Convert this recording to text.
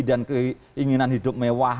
dan keinginan hidup mewah